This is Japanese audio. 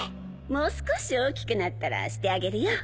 もう少し大きくなったらしてあげるよ